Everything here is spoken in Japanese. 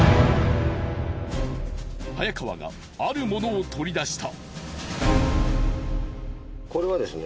早川があるものを取り出した。